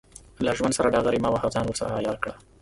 له ژوند سره ډغرې مه وهه، ځان ورسره عیار کړه.